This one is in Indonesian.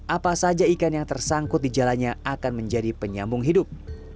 apa saja ikan yang tersangkut di jalannya akan menjadi penyambung hidup